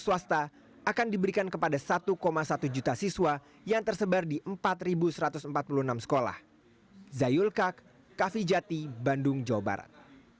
juta siswa yang tersebar di empat ribu satu ratus empat puluh enam sekolah zayul kak kafijati bandung jawa barat